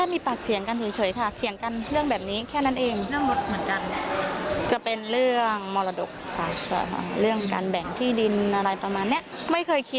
ไม่เคยคิดว่าจะรุนแรงขนาดนี้